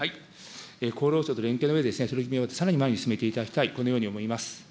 厚労省の連携の上で、この取り組みをさらに前へ進めていただきたい、このように思います。